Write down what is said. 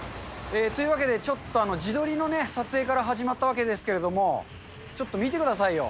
というわけでちょっと、自撮りの撮影から始まったわけですけど、ちょっと見てくださいよ。